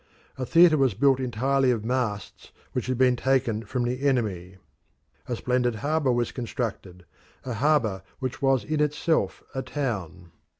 A theatre was built entirely of masts which had been taken from the enemy. A splendid harbour was constructed a harbour which was in itself a town.